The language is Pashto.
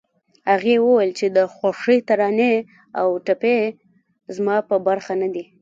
هغې وويل چې د خوښۍ ترانې او ټپې زما په برخه نه دي